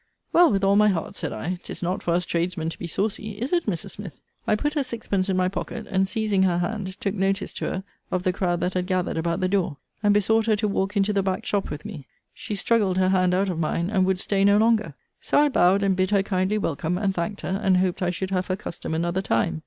Well, with all my heart, said I: 'tis not for us tradesmen to be saucy Is it, Mrs. Smith? I put her sixpence in my pocket; and, seizing her hand, took notice to her of the crowd that had gathered about the door, and besought her to walk into the back shop with me. She struggled her hand out of mine, and would stay no longer. So I bowed, and bid her kindly welcome, and thanked her, and hoped I should have her custom another time.